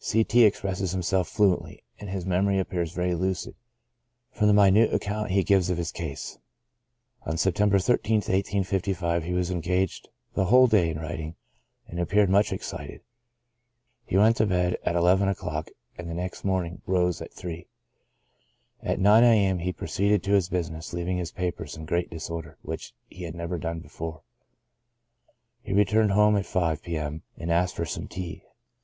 C. T — expresses himself fluently, and his memory appears very lucid, from the minute account he gives of his case. On September 13th, 1855, he was engaged the whole day in writing, and appeared much excited ; he went to bed at II o'clock, and the next morning rose at 3. At 9 a.m. he proceeded to his business, leaving his papers in great disor der, which he had never done before. He returned home at 5 p.m., and asked for some tea.